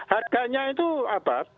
harganya itu apa